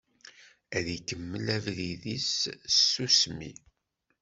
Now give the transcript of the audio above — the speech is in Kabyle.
Ad ikemmel abrid-is s tsusmi.